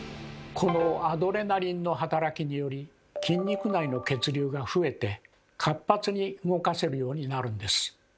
このアドレナリンの働きにより筋肉内の血流が増えて活発に動かせるようになるんです。